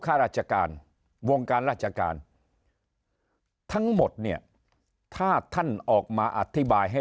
ข้าราชการวงการราชการทั้งหมดเนี่ยถ้าท่านออกมาอธิบายให้